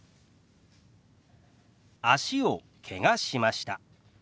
「脚をけがしました」。